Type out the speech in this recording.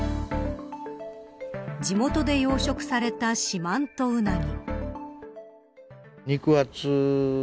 地元で養殖された四万十うなぎ。